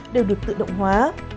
đều được tự động hóa